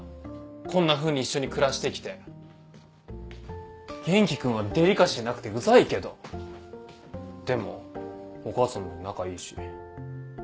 こんなふうに一緒に暮らしてきて元気君はデリカシーなくてウザいけどでもお母さんも仲いいし。